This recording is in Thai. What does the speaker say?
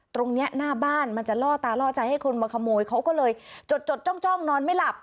ตรงนี้หน้าบ้านมันจะล่อตาล่อใจให้คนมาขโมยเขาก็เลยจดจ้องนอนไม่หลับ